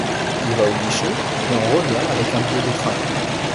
Il va au guichet et en revient avec un billet de train.